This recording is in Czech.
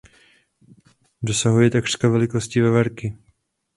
Dosahuje takřka velikosti veverky.